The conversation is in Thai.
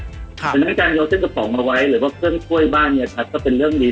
เพราะฉะนั้นการเอาเส้นกระป๋องมาไว้หรือว่าเครื่องช่วยบ้านเนี่ยชัดก็เป็นเรื่องดี